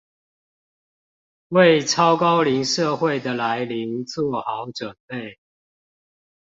為超高齡社會的來臨做好準備